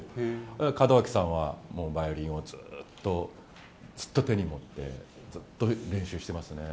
門脇さんはもうバイオリンをずっと、ずっと手に持って、ずっと練習してますね。